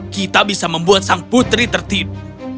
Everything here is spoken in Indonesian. kita bisa membuat sang putri tertib